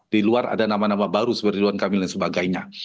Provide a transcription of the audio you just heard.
di luar ada nama nama baru seperti ridwan kamil dan sebagainya